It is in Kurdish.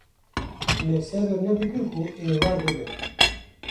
Me sebir nedikir ku êvar bibe